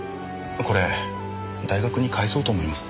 これ大学に返そうと思います。